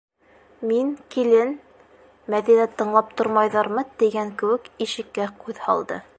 Мин, килен, - Мәҙинә «тыңлап тормайҙармы» тигән кеүек, ишеккә күҙ һалды.